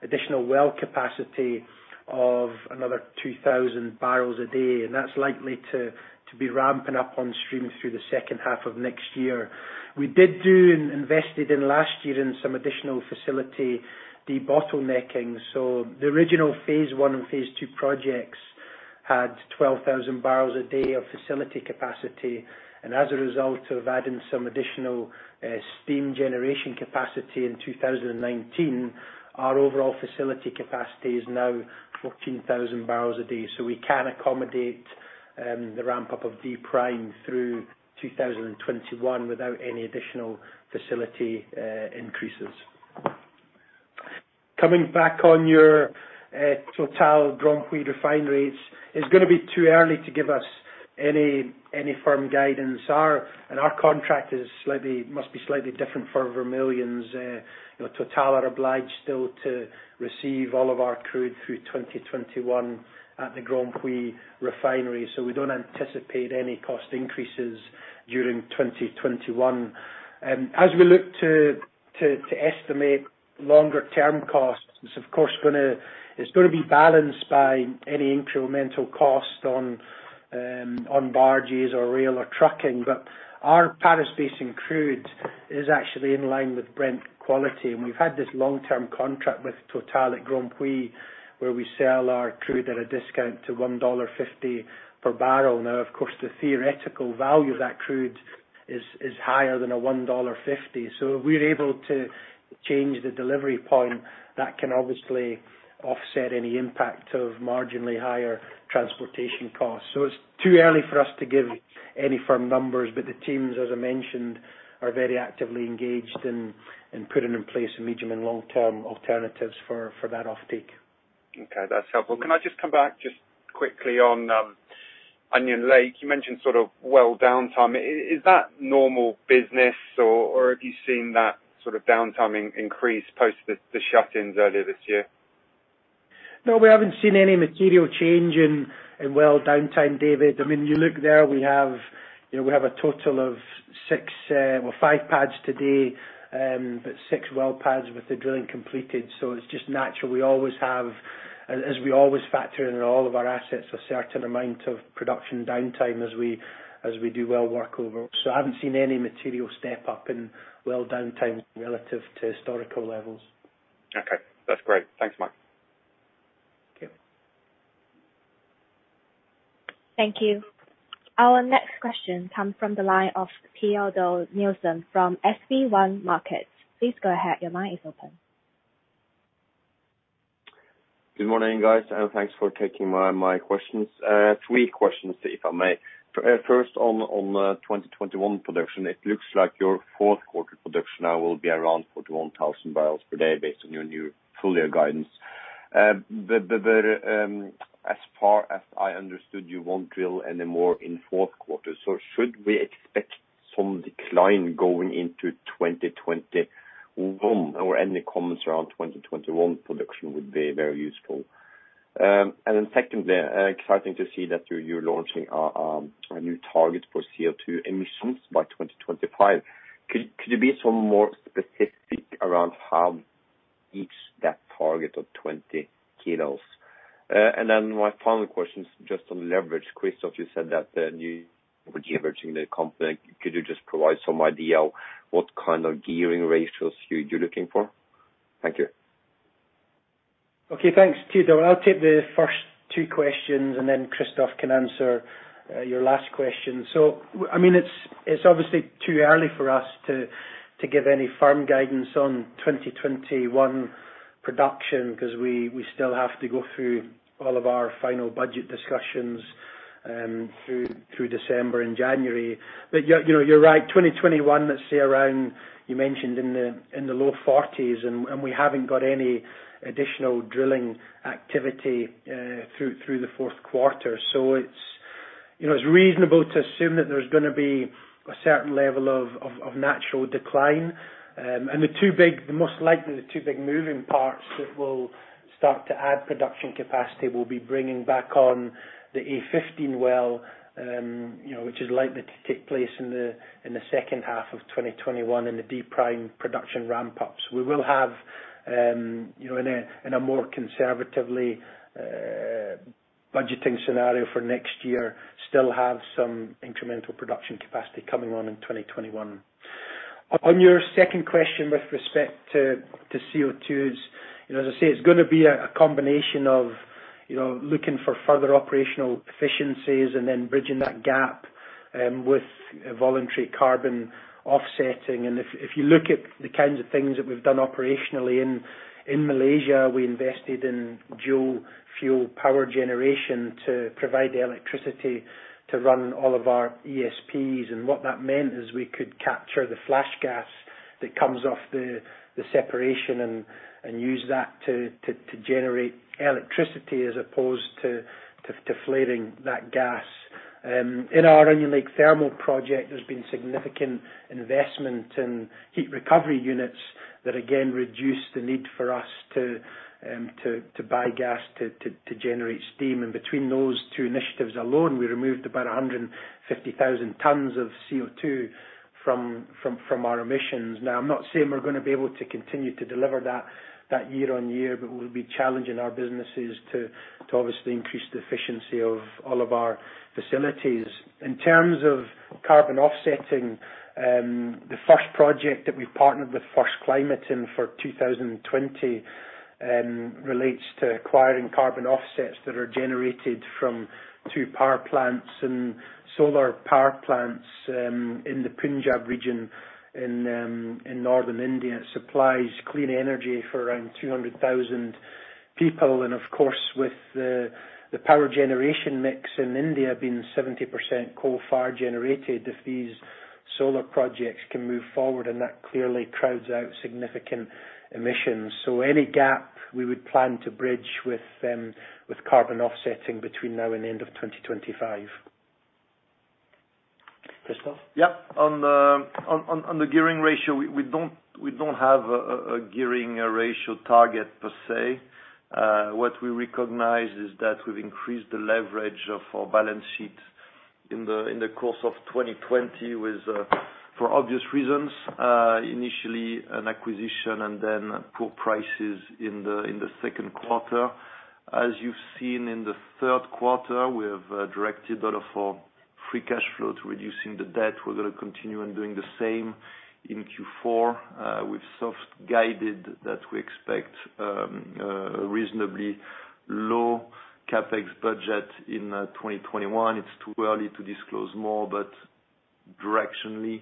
additional well capacity of another 2,000 barrels a day. And that's likely to be ramping up on stream through the second half of next year. We did invest last year in some additional facility de-bottlenecking. The original phase I and phase II projects had 12,000 barrels a day of facility capacity. As a result of adding some additional steam generation capacity in 2019, our overall facility capacity is now 14,000 barrels a day. We can accommodate the ramp-up of D-Prime through 2021 without any additional facility increases. Coming back on your Total Grandpuits refinery rates, it's going to be too early to give us any firm guidance. Our contract must be slightly different for Vermilion's. Total are obliged still to receive all of our crude through 2021 at the Grandpuits refinery. We don't anticipate any cost increases during 2021. As we look to estimate longer-term costs, it's of course going to be balanced by any incremental cost on barges or rail or trucking. Our Paris Basin crude is actually in line with Brent quality. And we've had this long-term contract with Total at Grandpuits where we sell our crude at a discount to $1.50 per barrel. Now, of course, the theoretical value of that crude is higher than a $1.50. So if we're able to change the delivery point, that can obviously offset any impact of marginally higher transportation costs. So it's too early for us to give any firm numbers, but the teams, as I mentioned, are very actively engaged in putting in place medium and long-term alternatives for that offtake. Okay. That's helpful. Can I just come back just quickly on Onion Lake? You mentioned sort of well downtime. Is that normal business, or have you seen that sort of downtime increase post the shut-ins earlier this year? No, we haven't seen any material change in well downtime, David. I mean, you look there, we have a total of six or five pads today, but six well pads with the drilling completed. So it's just natural. We always have, as we always factor in all of our assets, a certain amount of production downtime as we do well work over. So I haven't seen any material step up in well downtime relative to historical levels. Okay. That's great. Thanks, Mike. Thank you. Our next question comes from the line of Teodor Nilsen from SB1 Markets. Please go ahead. Your line is open. Good morning, guys. And thanks for taking my questions. Three questions, if I may. First, on 2021 production, it looks like your fourth quarter production now will be around 41,000 barrels per day based on your new full-year guidance. But as far as I understood, you won't drill anymore in fourth quarter. So should we expect some decline going into 2021 or any comments around 2021 production would be very useful? And then secondly, exciting to see that you're launching a new target for CO2 emissions by 2025. Could you be some more specific around how to reach that target of 20 kg? And then my final question is just on leverage. Christophe, you said that you're leveraging the company. Could you just provide some idea of what kind of gearing ratios you're looking for? Thank you. Okay. Thanks, Teodor. I'll take the first two questions, and then Christophe can answer your last question. So I mean, it's obviously too early for us to give any firm guidance on 2021 production because we still have to go through all of our final budget discussions through December and January. But you're right, 2021, let's say around, you mentioned in the low 40s, and we haven't got any additional drilling activity through the fourth quarter. So it's reasonable to assume that there's going to be a certain level of natural decline. And the two big, most likely the two big moving parts that will start to add production capacity will be bringing back on the A15 well, which is likely to take place in the second half of 2021 in the D-Prime production ramp-ups. We will have, in a more conservatively budgeting scenario for next year, still have some incremental production capacity coming on in 2021. On your second question with respect to CO2s, as I say, it's going to be a combination of looking for further operational efficiencies and then bridging that gap with voluntary carbon offsetting. If you look at the kinds of things that we've done operationally in Malaysia, we invested in dual fuel power generation to provide electricity to run all of our ESPs. And what that meant is we could capture the flash gas that comes off the separation and use that to generate electricity as opposed to flaring that gas. In our Onion Lake Thermal project, there's been significant investment in heat recovery units that, again, reduce the need for us to buy gas to generate steam. And between those two initiatives alone, we removed about 150,000 tons of CO2 from our emissions. Now, I'm not saying we're going to be able to continue to deliver that YoY, but we'll be challenging our businesses to obviously increase the efficiency of all of our facilities. In terms of carbon offsetting, the first project that we've partnered with First Climate in for 2020 relates to acquiring carbon offsets that are generated from two power plants and solar power plants in the Punjab region in northern India. It supplies clean energy for around 200,000 people. And of course, with the power generation mix in India being 70% coal-fired generated, if these solar projects can move forward, and that clearly crowds out significant emissions. So any gap we would plan to bridge with carbon offsetting between now and the end of 2025. Christophe? Yeah. On the gearing ratio, we don't have a gearing ratio target per se. What we recognize is that we've increased the leverage of our balance sheet in the course of 2020 for obvious reasons. Initially, an acquisition and then poor prices in the second quarter. As you've seen in the third quarter, we have directed a lot of our free cash flow to reducing the debt. We're going to continue on doing the same in Q4. We've soft-guided that we expect a reasonably low CapEx budget in 2021. It's too early to disclose more, but directionally,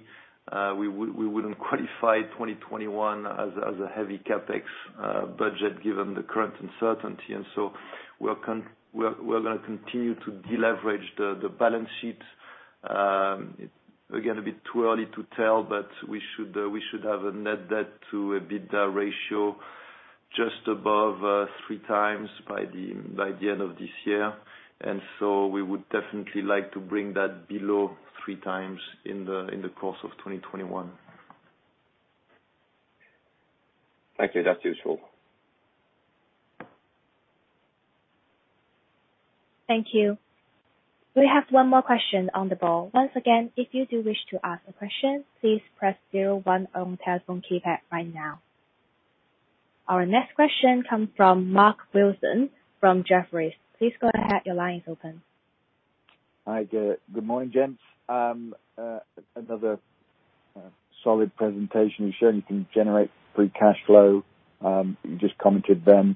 we wouldn't qualify 2021 as a heavy CapEx budget given the current uncertainty. And so we're going to continue to deleverage the balance sheet. Again, a bit too early to tell, but we should have a net debt to EBITDA ratio just above three times by the end of this year. We would definitely like to bring that below three times in the course of 2021. Thank you. That's useful. Thank you. We have one more question on the call. Once again, if you do wish to ask a question, please press zero one on the telephone keypad right now. Our next question comes from Mark Wilson from Jefferies. Please go ahead. Your line is open. Hi, good morning, gents. Another solid presentation you've shown. You can generate free cash flow. You just commented then.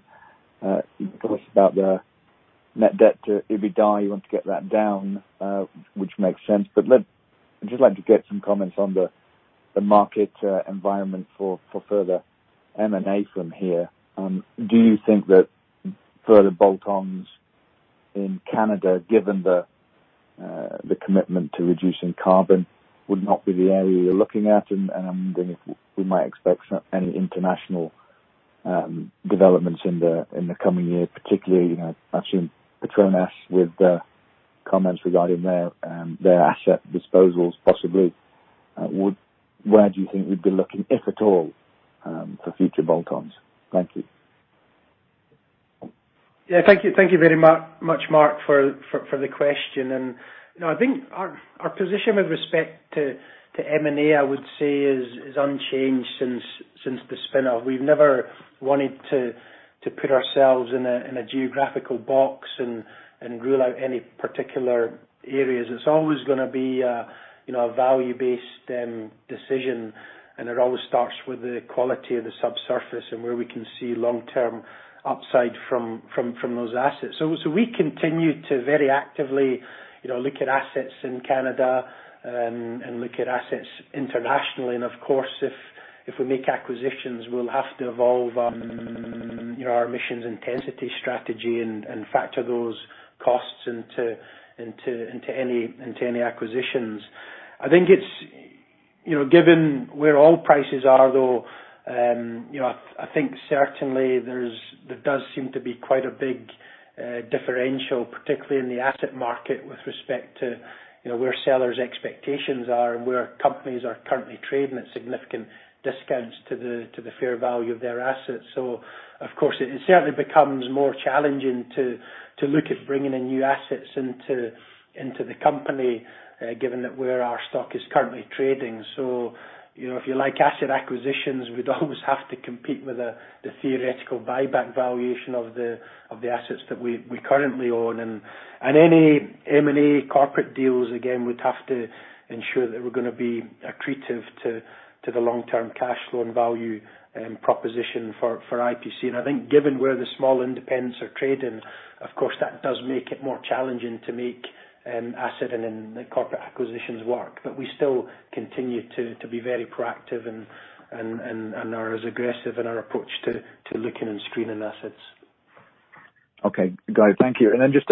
You talked about the net debt to EBITDA. You want to get that down, which makes sense. But I'd just like to get some comments on the market environment for further M&A from here. Do you think that further bolt-ons in Canada, given the commitment to reducing carbon, would not be the area you're looking at? And I'm wondering if we might expect any international developments in the coming year, particularly I've seen Petronas with comments regarding their asset disposals possibly. Where do you think we'd be looking, if at all, for future bolt-ons? Thank you. Yeah. Thank you very much, Mark, for the question. And I think our position with respect to M&A, I would say, is unchanged since the spin-off. We've never wanted to put ourselves in a geographical box and rule out any particular areas. It's always going to be a value-based decision. And it always starts with the quality of the subsurface and where we can see long-term upside from those assets. So we continue to very actively look at assets in Canada and look at assets internationally. And of course, if we make acquisitions, we'll have to evolve our emissions intensity strategy and factor those costs into any acquisitions. I think it's given where all prices are, though. I think certainly there does seem to be quite a big differential, particularly in the asset market with respect to where sellers' expectations are and where companies are currently trading at significant discounts to the fair value of their assets. So of course, it certainly becomes more challenging to look at bringing in new assets into the company given where our stock is currently trading. So if you like asset acquisitions, we'd always have to compete with the theoretical buyback valuation of the assets that we currently own. And any M&A corporate deals, again, would have to ensure that we're going to be accretive to the long-term cash flow and value proposition for IPC. And I think given where the small independents are trading, of course, that does make it more challenging to make asset and corporate acquisitions work. But we still continue to be very proactive and are as aggressive in our approach to looking and screening assets. Okay. Great. Thank you. And then just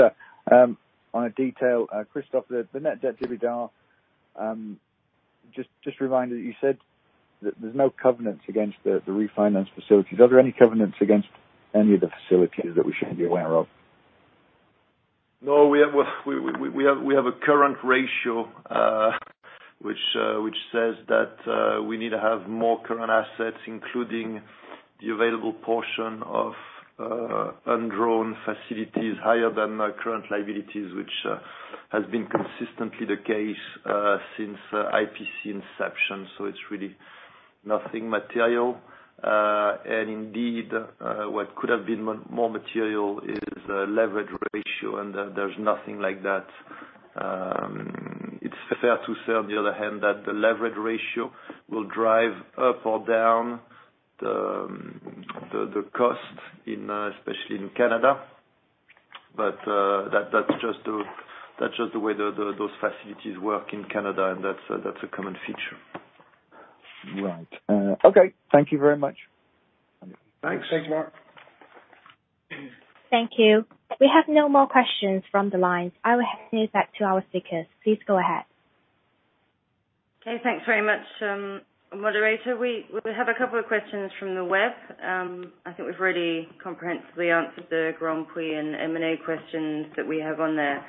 on a detail, Christophe, the net debt to EBITDA, just a reminder that you said that there's no covenants against the refinance facilities. Are there any covenants against any of the facilities that we should be aware of? No, we have a current ratio which says that we need to have more current assets, including the available portion of undrawn facilities higher than current liabilities, which has been consistently the case since IPC inception. So it's really nothing material. And indeed, what could have been more material is a leverage ratio, and there's nothing like that. It's fair to say, on the other hand, that the leverage ratio will drive up or down the cost, especially in Canada. But that's just the way those facilities work in Canada, and that's a common feature. Right. Okay. Thank you very much. Thanks. Thanks, Mark. Thank you. We have no more questions from the line. I will hand you back to our speakers. Please go ahead. Okay. Thanks very much, Moderator. We have a couple of questions from the web. I think we've already comprehensively answered the Grandpuits and M&A questions that we have on there.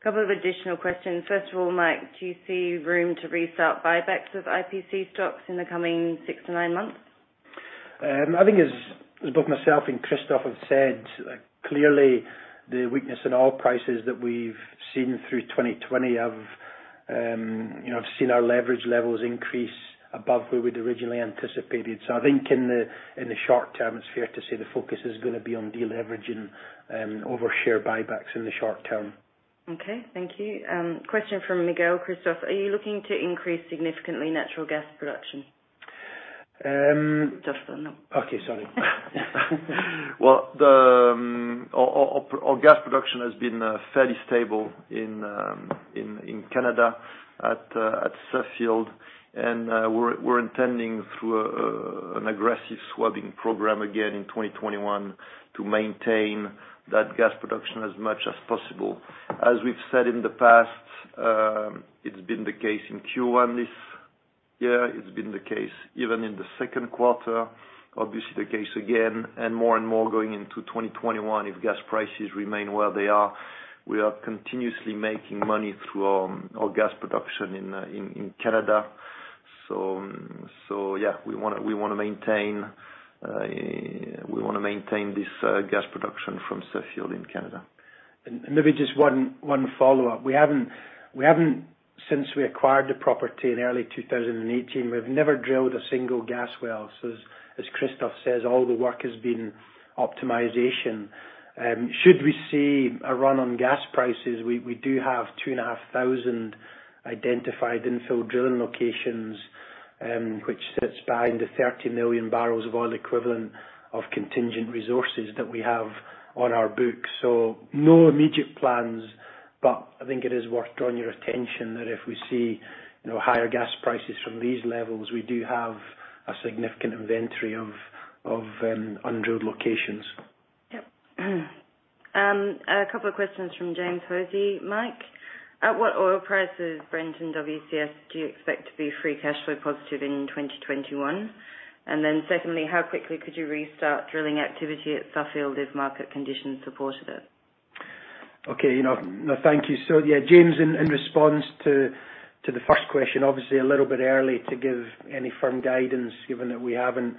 A couple of additional questions. First of all, Mike, do you see room to restart buybacks of IPC stocks in the coming six to nine months? I think, as both myself and Christophe have said, clearly, the weakness in oil prices that we've seen through 2020 has seen our leverage levels increase above where we'd originally anticipated. So I think in the short term, it's fair to say the focus is going to be on deleveraging over share buybacks in the short term. Okay. Thank you. Question from Miguel. Christophe, are you looking to increase significantly natural gas production? Just a no. Okay. Sorry. Our gas production has been fairly stable in Canada at Suffield. We're intending, through an aggressive swabbing program again in 2021, to maintain that gas production as much as possible. As we've said in the past, it's been the case in Q1 this year. It's been the case even in the second quarter. Obviously, the case again, and more and more going into 2021, if gas prices remain where they are, we are continuously making money through our gas production in Canada. Yeah, we want to maintain this gas production from Suffield in Canada. Maybe just one follow-up. Since we acquired the property in early 2018, we've never drilled a single gas well. As Christophe says, all the work has been optimization. Should we see a run on gas prices, we do have 2,500 identified infill drilling locations, which sits behind the 30 million barrels of oil equivalent of contingent resources that we have on our books. No immediate plans, but I think it is worth drawing your attention that if we see higher gas prices from these levels, we do have a significant inventory of unrisked locations. Yep. A couple of questions from James Hosie. Mike, at what oil prices Brent and WCS do you expect to be free cash flow positive in 2021? And then secondly, how quickly could you restart drilling activity at Suffield if market conditions supported it? Okay. No, thank you. So yeah, James, in response to the first question, obviously a little bit early to give any firm guidance given that we haven't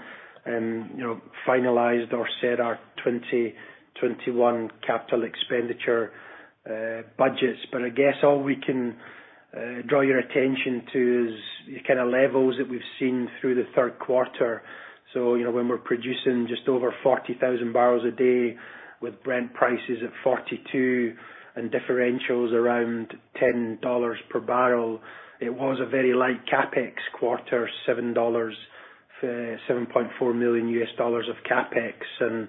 finalized or set our 2021 capital expenditure budgets. But I guess all we can draw your attention to is the kind of levels that we've seen through the third quarter. So when we're producing just over 40,000 barrels a day with Brent prices at $42 and differentials around $10 per barrel, it was a very light CapEx quarter, $7.4 million of CapEx. And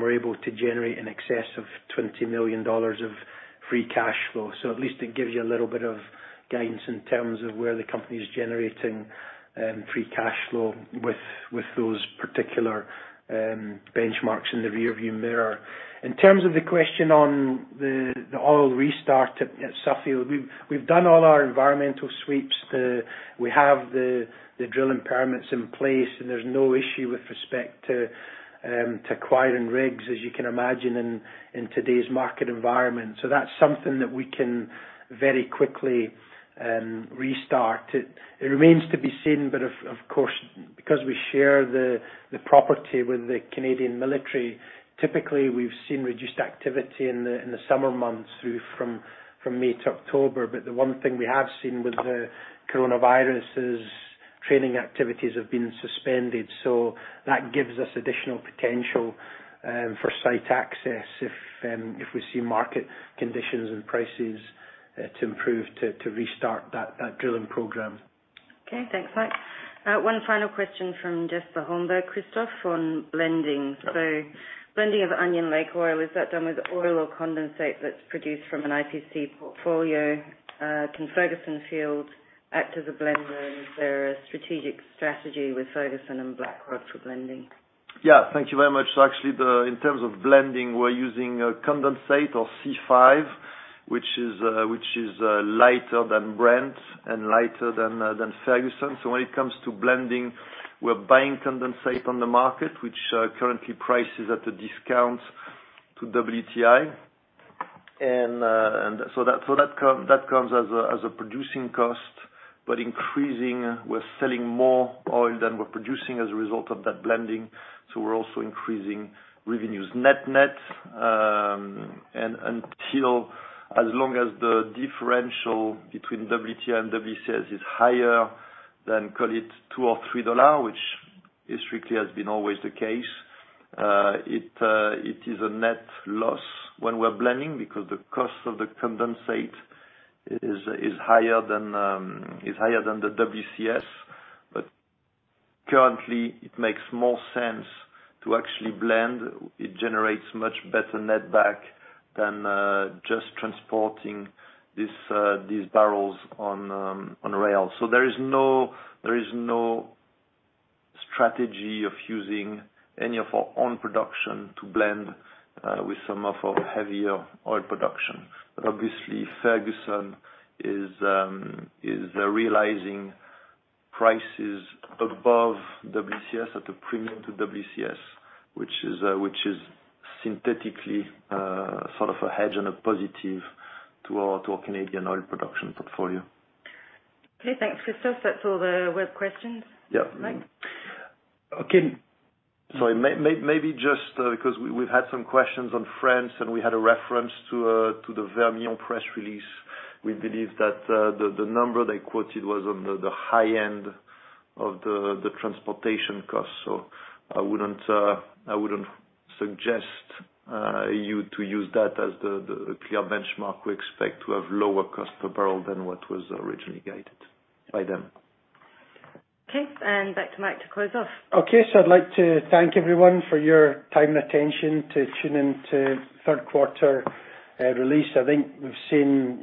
we're able to generate an excess of $20 million of free cash flow. So at least it gives you a little bit of guidance in terms of where the company is generating free cash flow with those particular benchmarks in the rearview mirror. In terms of the question on the oil restart at Suffield, we've done all our environmental sweeps. We have the drilling permits in place, and there's no issue with respect to acquiring rigs, as you can imagine, in today's market environment. So that's something that we can very quickly restart. It remains to be seen. But of course, because we share the property with the Canadian military, typically we've seen reduced activity in the summer months from May to October. But the one thing we have seen with the coronavirus is training activities have been suspended. So that gives us additional potential for site access if we see market conditions and prices to improve to restart that drilling program. Okay. Thanks, Mike. One final question from Jessica Holmberg, Christophe, on blending. So blending of Onion Lake oil, is that done with oil or condensate that's produced from an IPC portfolio? Can Ferguson Field act as a blender? Is there a strategic strategy with Ferguson and Blackrod for blending? Yeah. Thank you very much. So actually, in terms of blending, we're using condensate or C5, which is lighter than Brent and lighter than Ferguson. So when it comes to blending, we're buying condensate on the market, which currently prices at a discount to WTI. And so that comes as a producing cost, but increasing we're selling more oil than we're producing as a result of that blending. So we're also increasing revenues net-net. And until as long as the differential between WTI and WCS is higher than, call it, $2 or $3, which historically has been always the case, it is a net loss when we're blending because the cost of the condensate is higher than the WCS. But currently, it makes more sense to actually blend. It generates much better netback than just transporting these barrels on rail. So there is no strategy of using any of our own production to blend with some of our heavier oil production. But obviously, Ferguson is realizing prices above WCS at a premium to WCS, which is synthetically sort of a hedge and a positive to our Canadian oil production portfolio. Okay. Thanks, Christophe. That's all the web questions. Yeah. Mike? Okay. Sorry. Maybe just because we've had some questions on France, and we had a reference to the Vermilion press release. We believe that the number they quoted was on the high end of the transportation cost. So I wouldn't suggest you to use that as the clear benchmark. We expect to have lower cost per barrel than what was originally guided by them. Okay, and back to Mike to close off. Okay. So I'd like to thank everyone for your time and attention to tune into third quarter release. I think we've seen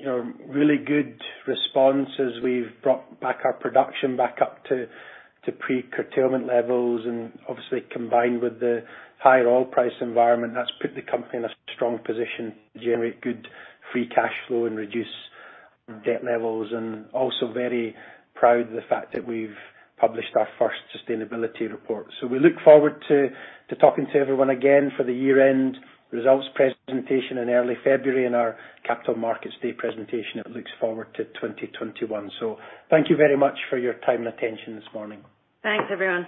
really good responses. We've brought our production back up to pre-curtailment levels. And obviously, combined with the higher oil price environment, that's put the company in a strong position to generate good free cash flow and reduce debt levels. And also very proud of the fact that we've published our first sustainability report. So we look forward to talking to everyone again for the year-end results presentation in early February and our Capital Markets Day presentation, looking forward to 2021. So thank you very much for your time and attention this morning. Thanks, everyone.